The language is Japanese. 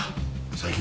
最近。